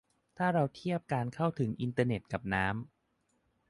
ถ้าเราเทียบการเข้าถึงอินเทอร์เน็ตกับน้ำ